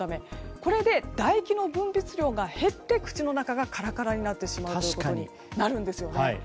これで唾液の分泌量が減って口の中がカラカラになってしまうんですね。